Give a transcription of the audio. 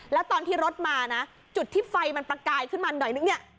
แล้วตอนที่รถมานะจุดที่ไฟมันประกายขึ้นมาหน่อยนึงเนี่ย